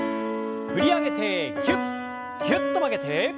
振り上げてぎゅっぎゅっと曲げて。